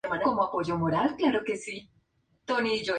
El instrumento que sobresale en la melodía es el teclado electrónico.